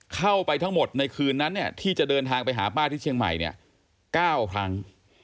เข้าไปทั้งหมดในคืนนั้นเนี่ยที่จะเดินทางไปหาป้าที่เชียงใหม่เนี่ย๙ครั้ง